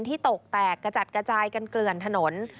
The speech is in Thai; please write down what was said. ตกแตกกระจัดกระจายกันเกลื่อนถนน